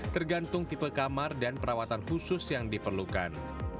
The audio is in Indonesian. tergantung tipe kamar dan perawatan khusus yang diperlukan